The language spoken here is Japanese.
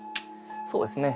そうですね